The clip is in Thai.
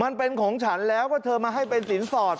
มันเป็นของฉันแล้วก็เธอมาให้เป็นสินสอด